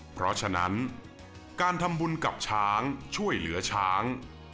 เพราะฉะนั้นการทำบุญกับช้างช่วยเหลือช้าง